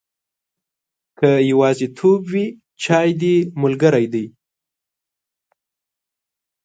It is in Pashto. که یوازیتوب وي، چای دې ملګری دی.